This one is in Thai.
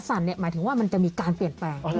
หมายถึงว่ามันจะมีการเปลี่ยนแปลง